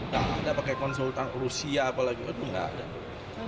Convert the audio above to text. kalau ada pakai konsultan rusia apalagi itu nggak ada